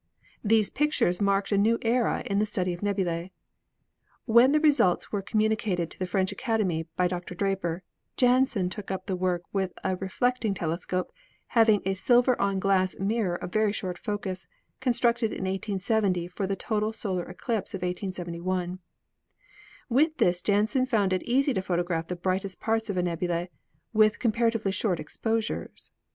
These pictures marked a new era in the study of nebulae. When the results were communicated to the French Academy by Dr. Draper, Janssen took up the work with a reflecting telescope having a silver on glass mirror of very short focus, constructed in 1870 for the total solar eclipse of 1871. With this Janssen found it easy to photograph the brightest parts of a nebula with comparatively short exposures.